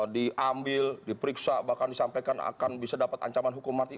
diambil diperiksa bahkan disampaikan akan bisa dapat ancaman hukum mati